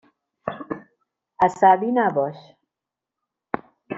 عصبی نباش.